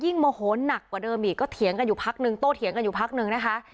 โมโหนักกว่าเดิมอีกก็เถียงกันอยู่พักนึงโต้เถียงกันอยู่พักนึงนะคะ